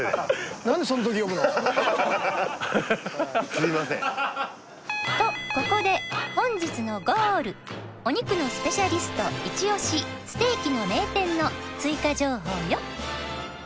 すごいぞとここで本日のゴールお肉のスペシャリストイチオシステーキの名店の追加情報よ！